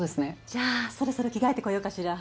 じゃあそろそろ着替えてこようかしら。